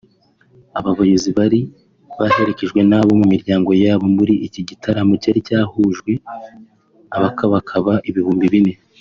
Aba bayobozi bari baherekejwe n’abo mu miryango yabo muri iki gitaramo cyari cyahuruje abakabakaba ibihumbi bine